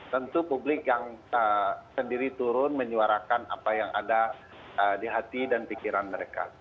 tentu publik yang sendiri turun menyuarakan apa yang ada di hati dan pikiran mereka